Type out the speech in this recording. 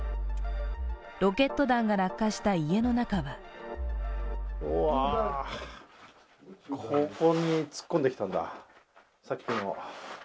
ロケット弾が落下した家の中はここに突っ込んできたんだ。